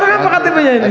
sekarang apa ktpnya ini